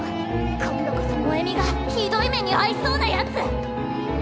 今度こそ萌美がひどい目にあいそうなやつ！